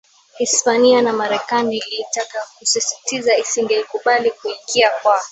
Hispania na Marekani ilitaka kusisitiza isingekubali kuingia kwa